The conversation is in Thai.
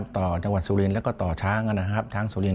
ต่อจังหวัดสุรินทร์และต่อช้างช้างสุรินทร์